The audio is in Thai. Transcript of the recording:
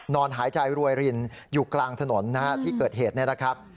นอนหายใจรวยรินอยู่กลางถนนที่เกิดเหตุนะครับ